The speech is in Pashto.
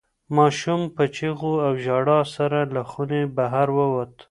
ماشوم په چیغو او ژړا سره له خونې بهر ووت.